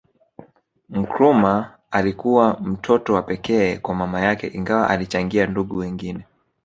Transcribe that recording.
Nkurumah alikuwa mtoto wa pekee kwa mama yake Ingawa alichangia ndugu wengine